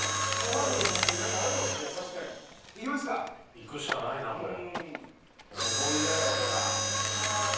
行くしかないなこりゃ。